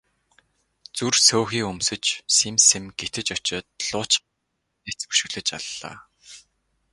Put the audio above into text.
Зүр сөөхий өмсөж сэм сэм гэтэж очоод луучин гутлаараа няц өшиглөж аллаа.